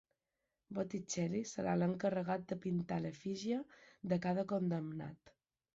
Botticelli serà l'encarregat de pintar l'efígie de cada condemnat.